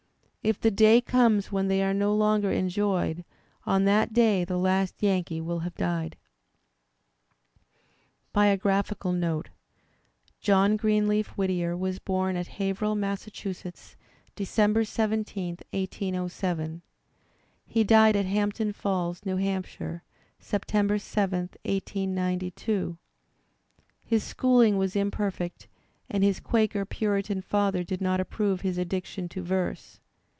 If the day comes when they are no longer enjoyed, on that day the last Yankee will have died. BIOORAPHICAL NOTE John Greenleaf Whittier was bom at Haverhill, Massa chusetts, December 17, 1807. He died at Hampton Falls, New Hampshire, September 7, 1892. His schooling was imperfect and his Quaker Puritan father did not approve his addiction to verse.